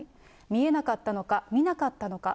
見えなかったのか、見なかったのか。